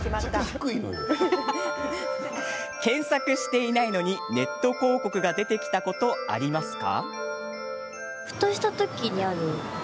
検索していないのにネット広告が出てきたことありますか？